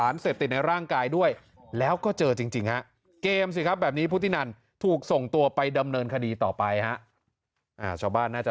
ยิงเอาไปเลยนั่น